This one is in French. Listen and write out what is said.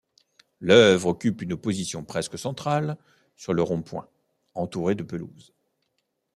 L'œuvre occupe une position presque centrale sur le rond-point, entourée de pelouse.